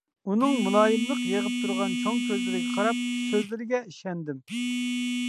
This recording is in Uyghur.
ئۇنىڭ مۇلايىملىق يېغىپ تۇرغان چوڭ كۆزلىرىگە قاراپ سۆزلىرىگە ئىشەندىم.